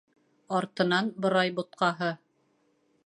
Артынан борай бутҡаһы.